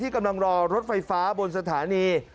กำลังรอรถไฟฟ้าบนสถานี